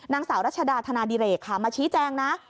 นางสาวรัชดาธนาดิเรกค่ะมาชี้แจงนะ